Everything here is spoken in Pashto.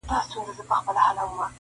ستا به هم بلا ګردان سمه نیازبیني,